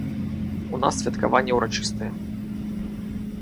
У нас святкаванне урачыстае.